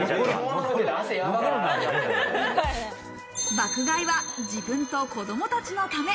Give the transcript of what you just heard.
爆買いは自分の子供たちのため。